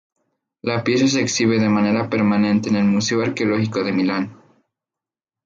La pieza se exhibe de manera permanente en el Museo Arqueológico de Milán.